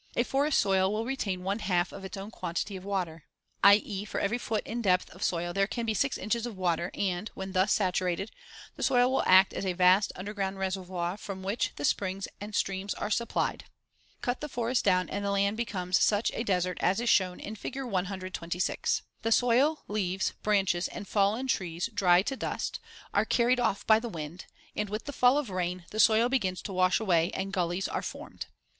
A forest soil will retain one half of its own quantity of water; i.e., for every foot in depth of soil there can be six inches of water and, when thus saturated, the soil will act as a vast, underground reservoir from which the springs and streams are supplied (Fig. 125). Cut the forest down and the land becomes such a desert as is shown in Fig. 126. The soil, leaves, branches and fallen trees dry to dust, are carried off by the wind and, with the fall of rain, the soil begins to wash away and gullies, such as are shown in Fig. 127, are formed.